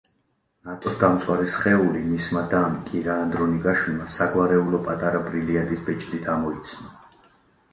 ნატოს დამწვარი სხეული მისმა დამ კირა ანდრონიკაშვილმა საგვარეულო პატარა ბრილიანტის ბეჭდით ამოიცნო.